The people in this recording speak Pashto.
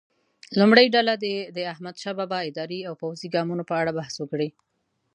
لومړۍ ډله دې د احمدشاه بابا اداري او پوځي ګامونو په اړه بحث وکړي.